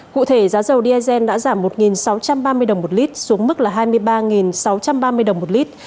cụ thể giá dầu diesel đã giảm một sáu trăm ba mươi đồng một lít xuống mức là hai mươi ba sáu trăm ba mươi đồng một lít